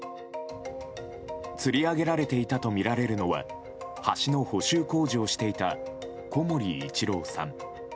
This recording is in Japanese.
つり上げられていたとみられるのは橋の補修工事をしていた小森一郎さん。